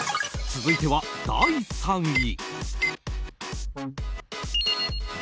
続いては、第２位。